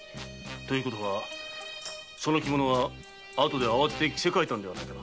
ということはその着物は後で慌てて着せ替えたものではないのか？